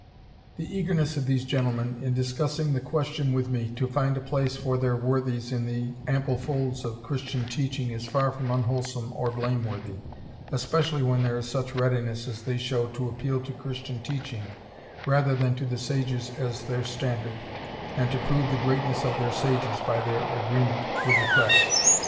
The eagerness of these gentlemen in discussing the question with me, to find a place for their worthies in the ample folds of Christian teaching is far from unwholesome or blameworthy, especially when there is such readiness as they showed to appeal to Christian teaching rather than to the sages as their standard, and to prove the greatness of their sages by their agreement with the Christ....